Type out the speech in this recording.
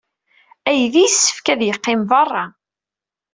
Aydi yessefk ad yeqqim beṛṛa!